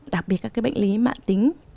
đặc biệt các cái bệnh lý mạng tính